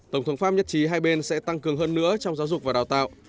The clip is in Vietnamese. tổng thống pháp nhất trí hai bên sẽ tăng cường hơn nữa trong giáo dục và đào tạo